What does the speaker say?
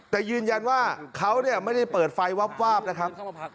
แต่ยืนยันว่าเขาไม่ได้เปิดไฟวาบนะครับ